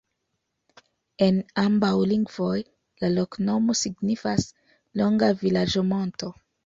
En ambaŭ lingvoj la loknomo signifas: longa vilaĝo-monto.